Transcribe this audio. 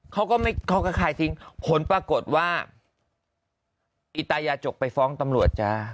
เขาก็คล้ายทิ้งผลปรากฏว่าอีตายาจกไปฟ้องตำรวจจ้า